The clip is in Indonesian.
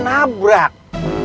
tidak ada yang nyebrang pak bos